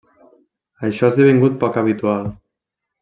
Això ha esdevingut poc habitual.